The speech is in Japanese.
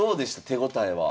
手応えは。